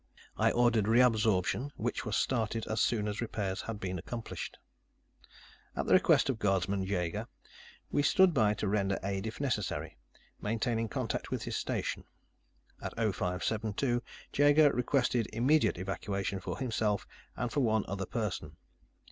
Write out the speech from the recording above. I ordered re absorption, which was started as soon as repairs had been accomplished. At the request of Guardsman Jaeger, we stood by to render aid if necessary, maintaining contact with his station. At 0572, Jaeger requested immediate evacuation for himself and for one other person.